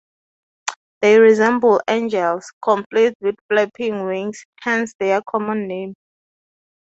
They resemble angels, complete with flapping "wings", hence their common name.